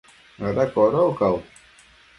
¿ ada codocau?